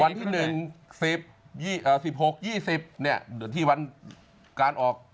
วันที่๑๑๐๑๖๒๐เนี่ยคือที่วันการออก